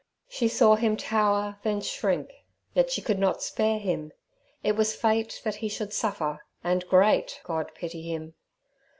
She saw him tower, then shrink, yet she could not spare him. It was fate that he should suffer, and, great God, pity him!